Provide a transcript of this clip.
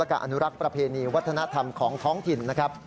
การอนุรักษ์ประเพณีวัฒนธรรมของท้องถิ่นนะครับ